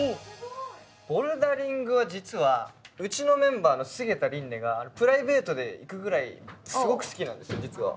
ボルダリングは実はうちのメンバーの菅田琳寧がプライベートで行くぐらいすごく好きなんですよ実は。